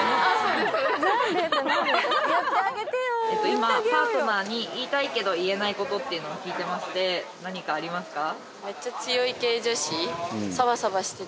今パートナーに言いたいけど言えないことっていうのを聞いてまして何かありますか？